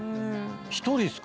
１人っすか？